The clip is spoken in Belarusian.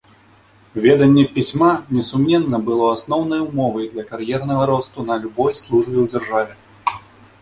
Веданне пісьма, несумненна, было асноўнай умовай для кар'ернага росту на любой службе ў дзяржаве.